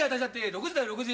６時だよ６時。